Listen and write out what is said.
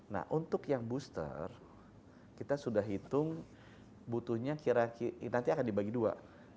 nah untuk yang booster kita sudah hitung butuhnya kira kira nanti akan dibagi dua